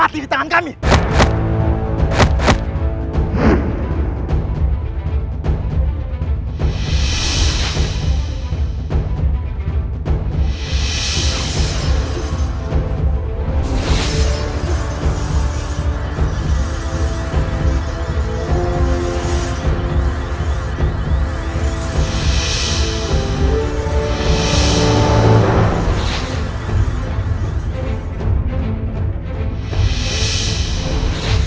aku ingin menerima keadaanmu